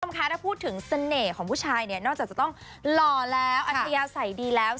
ถ้าพูดถึงเสน่ห์ของผู้ชายเนี่ยนอกจากจะต้องหล่อแล้วอันยาวใส่ดีแล้ว